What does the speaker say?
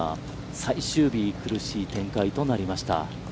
最終日、苦しい展開となりました。